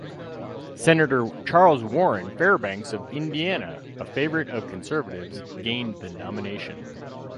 Senator Charles Warren Fairbanks of Indiana, a favorite of conservatives, gained the nomination.